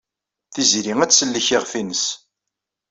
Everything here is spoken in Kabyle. Tiziri ad tsellek iɣef-nnes.